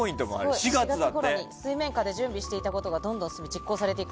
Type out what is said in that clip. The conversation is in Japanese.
４月に水面下で準備していたことがどんどん進み実行されていく。